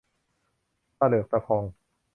ตาเหลือกตาพอง